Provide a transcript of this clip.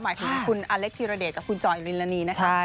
หมายถึงคุณอเล็กธิรเดชกับคุณจอยวิรณีนะคะ